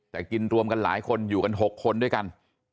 แต่กินรวมกันหลายคนอยู่กัน๖คนด้วยกัน